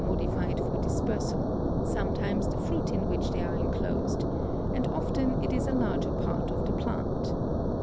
modified for dispersal, sometimes the fruit in which they are enclosed and often it is a larger part of the plant.